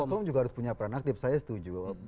platform juga harus punya peran aktif saya setuju